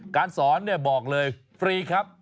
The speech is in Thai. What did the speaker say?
การสอนบอกเลยฟรีครับ